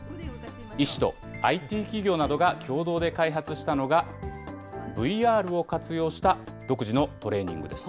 医師とＩＴ企業などが共同で開発したのが、ＶＲを活用した独自のトレーニングです。